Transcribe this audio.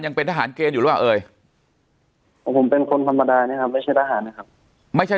ยังเป็นทหารเกณฑ์อยู่หรอเอ่ยผมเป็นคนธรรมดานะครับไม่ใช่